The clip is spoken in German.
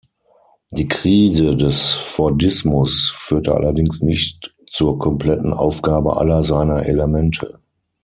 Die Krise des Fordismus führte allerdings nicht zur kompletten Aufgabe aller seiner Elemente.